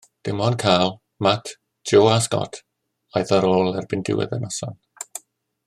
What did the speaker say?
Dim ond Carl, Matt, Jo a Scott oedd ar ôl erbyn diwedd y noson.